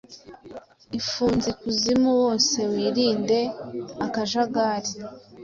ifunze ikuzimu; bose wirinde akajagari